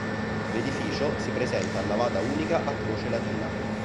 L'edificio si presenta a navata unica a croce latina.